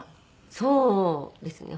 そうですね。